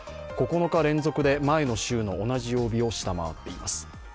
９日連続で前の週の同じ曜日を下回っています。